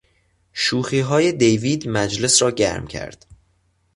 شوخیهای دیوید مجلس را گرم کرد.